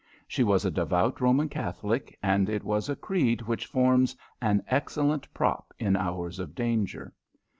She was a devout Roman Catholic, and it is a creed which forms an excellent prop in hours of danger.